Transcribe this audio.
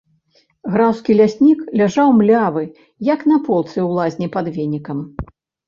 Графскі ляснік ляжаў млявы, як на полцы ў лазні пад венікам.